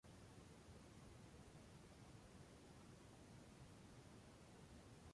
Se ofrece con dos motores de gasolina.